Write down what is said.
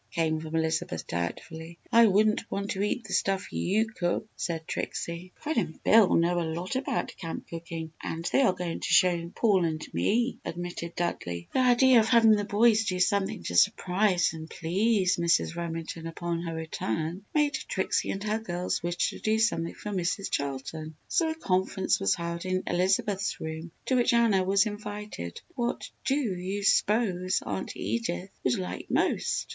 came from Elizabeth, doubtfully. "I wouldn't want to eat the stuff you cook!" said Trixie. "Fred and Bill know a lot about camp cooking and they are going to show Paul and me," admitted Dudley. The idea of having the boys do something to surprise and please Mrs. Remington upon her return, made Trixie and her girls wish to do something for Mrs. Charlton. So a conference was held in Elizabeth's room to which Anna was invited. "What do you s'pose Aunt Edith would like most?"